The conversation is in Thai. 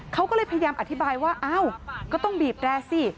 เขาก็เลยพยายามอธิบายว่าอ้าวก็ต้องบีบแร่สิ